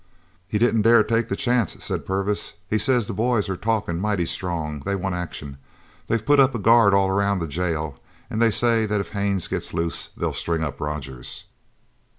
"He don't dare take the chance," said Purvis. "He says the boys are talkin' mighty strong. They want action. They've put up a guard all around the jail an' they say that if Haines gets loose they'll string up Rogers.